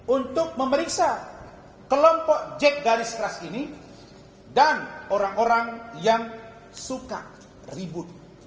untuk memeriksa kelompok jack garis keras ini dan orang orang yang suka ribut